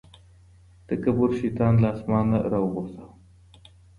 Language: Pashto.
تکبر شيطان له اسمانه راوغورځاوه.